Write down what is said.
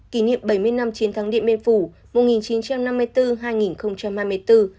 kỷ niệm bảy mươi năm chiến thắng điện biên phủ